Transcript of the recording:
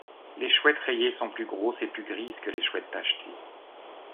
Les chouettes rayées sont plus grosses et plus grises que les chouettes tachetées.